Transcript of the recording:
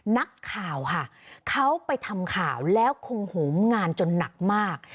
นักข่าวค่ะเขาไปทำข่าวแล้วคงโหมงานจนหนักมาก